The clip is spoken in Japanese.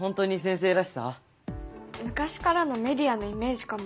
昔からのメディアのイメージかも。